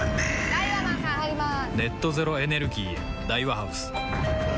・ダイワマンさん入りまーす！